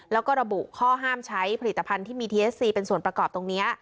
แล้วก็ระบุข้อห้ามใช้ผลิตภัณฑ์ที่มีทีเอสซีเป็นส่วนประกอบตรงนี้